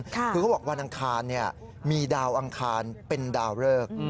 คือเขาบอกวันอังคารมีดาวอังคารเป็นดาวเริก